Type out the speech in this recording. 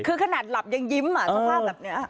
คือขนาดหลับยังยิ้มสภาพแบบนี้